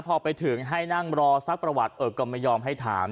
พอไปถึงให้นั่งรอสักประวัติเออก็ไม่ยอมให้ถาม